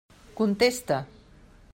Contesta.